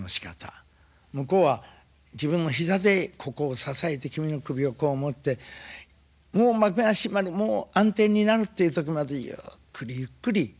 向こうは自分も膝でここを支えて君の首をこう持ってもう幕が閉まるもう暗転になるっていうとこまでゆっくりゆっくり。